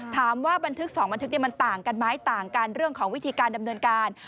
บันทึก๒บันทึกมันต่างกันไหมต่างกันเรื่องของวิธีการดำเนินการ